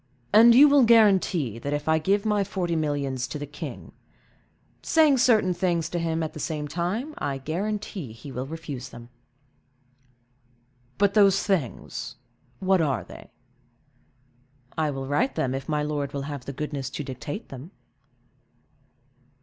"And you will guarantee, that if I give my forty millions to the king—" "Saying certain things to him at the same time, I guarantee he will refuse them." "But those things—what are they?" "I will write them, if my lord will have the goodness to dictate them."